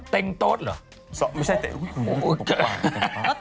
เต้นโต๊ดเหรอ